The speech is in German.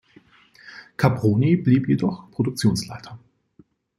Caproni blieb jedoch Produktionsleiter.